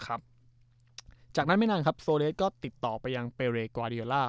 และไว้มินังโซเลสท์ก็ติดต่อไปเพรียกราลิอร่า